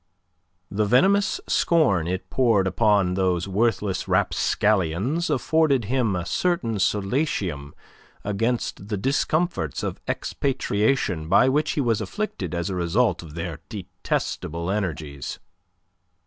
The venomous scorn it poured upon those worthless rapscallions afforded him a certain solatium against the discomforts of expatriation by which he was afflicted as a result of their detestable energies.